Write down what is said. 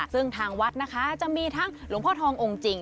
ซึ่งทางวัดนะคะจะมีทั้งหลวงพ่อทององค์จริง